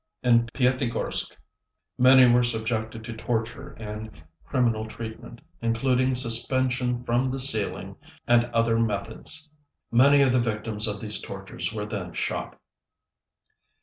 In Pyatigorsk many were subjected to torture and criminal treatment, including suspension from the ceiling and other methods. Many of the victims of these tortures were then shot.